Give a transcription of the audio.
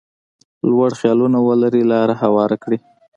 لوړ خیالونه ولري لاره هواره کړي.